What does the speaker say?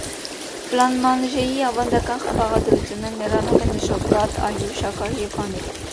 Բլանմանժեի ավանդական բաղադրությունը ներառում է նշով կաթ, ալյուր, շաքար և վանիլ։